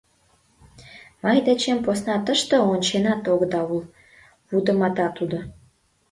— Мый дечем посна тыште онченат огыда ул, — вудымата тудо.